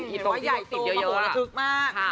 เห็นว่าใหญ่โตมาโหลละทึกมาก